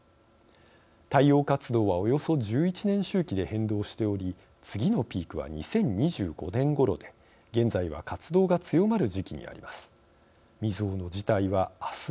太陽活動はおよそ１１年周期で変動しており次のピークは２０２５年ごろで現在は活動が強まる時期にあります。